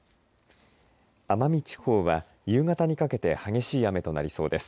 奄美地方は夕方にかけて激しい雨となりそうです。